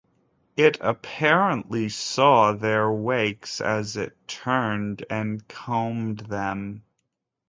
It apparently saw their wakes as it turned and combed them.